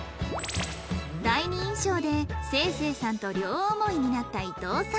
第二印象でせいせいさんと両思いになった伊藤さん